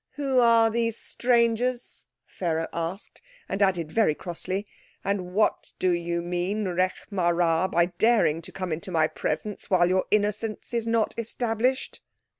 "Who are these strangers?" Pharaoh asked, and added very crossly, "And what do you mean, Rekh marā, by daring to come into my presence while your innocence is not established?"